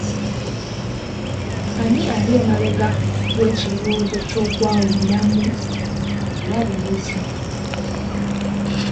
Ani ali emabega w'ekirowoozo ky'okwawulamu obulabirizi.